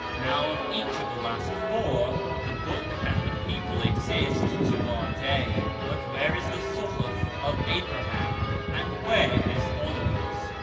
Now of each of the last four the l)ook and the people exist to our day, l)ut where is tlie Suhi'f of Abraham, and where liis followers